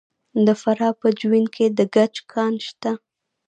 د فراه په جوین کې د ګچ کان شته.